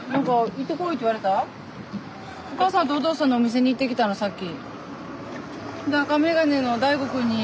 お母さんとお父さんのお店に行ってきたのさっき。